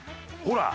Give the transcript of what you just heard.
ほら！